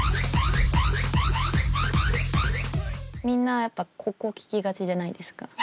みんなやっぱここ聴きがちじゃないですか。